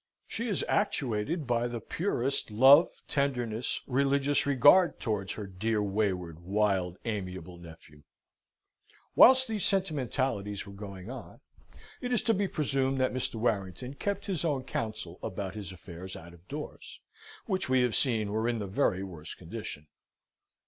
She is actuated by the purest love, tenderness, religious regard, towards her dear, wayward, wild, amiable nephew. Whilst these sentimentalities were going on, it is to be presumed that Mr. Warrington kept his own counsel about his affairs out of doors, which we have seen were in the very worst condition.